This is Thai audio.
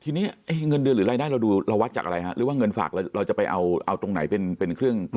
ทีนี้เงินเดือนหรือรายได้เราดูเราวัดจากอะไรฮะหรือว่าเงินฝากเราจะไปเอาตรงไหนเป็นเครื่อง